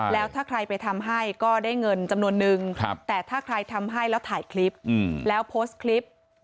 แล้วถ้าใครไปทำให้ก็ได้เงินจำนวนนึงแต่ถ้าใครทำให้แล้วถ่ายคลิปแล้วโพสต์คลิป